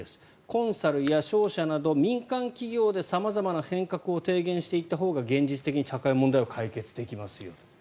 コンサルや商社など民間企業で様々な変革を提言していったほうが現実的に社会問題を解決できますよと。